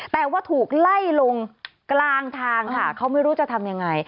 แต่ว่าถูกไล่ลงกลางทางค่ะเขาไม่รู้จะทำยังไง